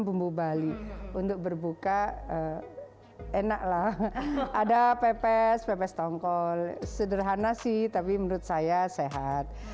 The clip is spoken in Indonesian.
bumbu bali untuk berbuka enaklah ada pepes pepes tongkol sederhana sih tapi menurut saya sehat